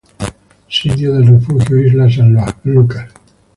Sitio del Refugio Isla San Lucas